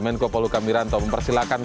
menko polu kamiranto mempersilahkan